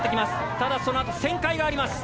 ただそのあと旋回があります。